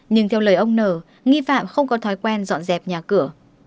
nhưng theo lời ông nở nghi phạm không có thói quen dọn dẹp nhà cửa